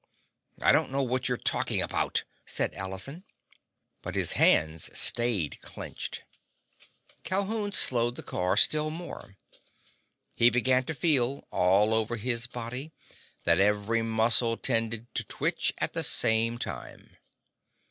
"I don't know what you're talking about!" said Allison. But his hands stayed clenched. Calhoun slowed the car still more. He began to feel, all over his body, that every muscle tended to twitch at the same time.